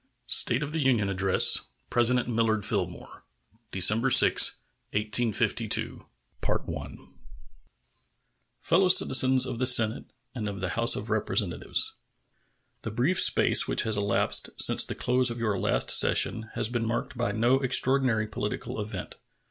State of the Union Address Millard Fillmore December 6, 1852 Fellow Citizens of the Senate and of the House of Representatives: The brief space which has elapsed since the close of your last session has been marked by no extraordinary political event.